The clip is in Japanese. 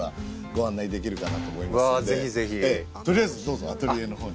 取りあえずどうぞアトリエの方に。